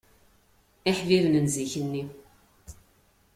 Iḥbiben n zik-nni